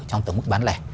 trong tổng mức bán lẻ